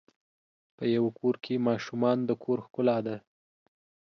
په یوه کور کې ماشومان د کور ښکلا ده.